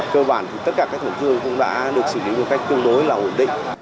cơ bản thì tất cả các tổn thương cũng đã được xử lý một cách tương đối là ổn định